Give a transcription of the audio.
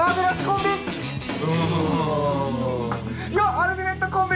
アルティメットコンビ！